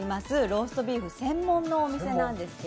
ローストビーフの専門のお店です。